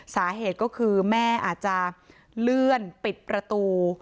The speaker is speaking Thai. สาเหตุก็คือแม่อาจจะเลื่อนปิดประตู